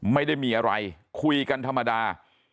ไม่ได้มีอะไรคุยกันธรรมดา